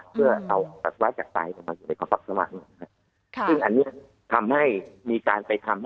เพาะใจลงมามันปิด